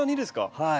はい。